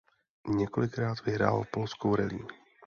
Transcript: Několikrát vyhrál polskou rallye.